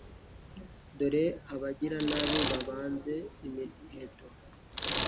Dore abagiranabi babanze imiheto